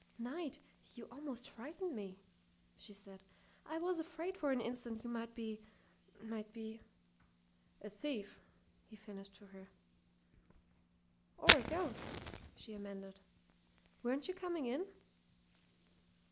"Knight, you almost frightened me!" she said. "I was afraid for an instant you might be might be " "A thief!" he finished for her. "Or a ghost," she amended. "Weren't you coming in?"